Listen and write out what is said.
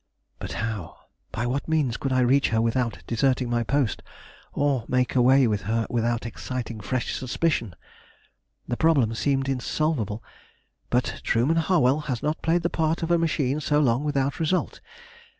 But how? By what means could I reach her without deserting my post, or make away with her without exciting fresh suspicion? The problem seemed insolvable; but Trueman Harwell had not played the part of a machine so long without result.